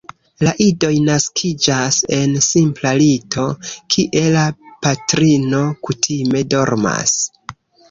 La idoj naskiĝas en simpla lito, kie la patrino kutime dormas.